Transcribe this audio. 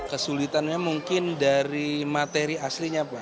kesulitannya mungkin dari materi aslinya pak